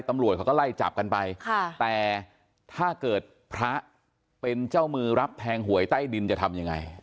ตำรวจเขาก็ไล่จับกันไปค่ะแต่ถ้าเกิดพระเป็นเจ้ามือรับแทงหวยใต้ดินจะทำยังไง